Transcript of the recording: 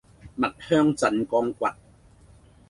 蜜香鎮江骨